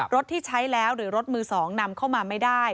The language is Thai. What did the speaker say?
ที่ใช้แล้วหรือรถมือ๒นำเข้ามาไม่ได้